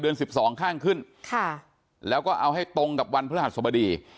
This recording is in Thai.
สิบสองข้างขึ้นค่ะแล้วก็เอาให้ตรงกับวันพฤหัสสบดี